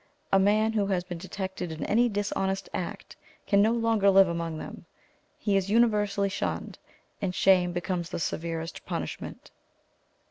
A man who has been detected in any dishonest act can no longer live among them. He is universally shunned, and shame becomes the severest punishment.